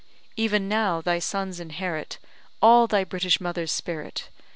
Even now thy sons inherit All thy British mother's spirit.